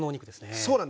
そうなんです。